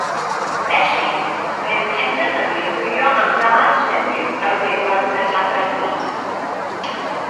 Felly, mae e'n penderfynu chwilio am dad newydd ar wefan y Tadau Hud.